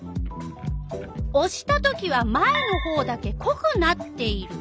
おしたときは前のほうだけこくなっている。